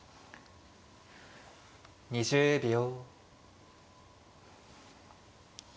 ２０秒。